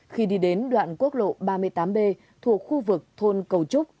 khi đi đến đoạn quốc lộ ba mươi tám b thuộc khu vực thôn cầu trúc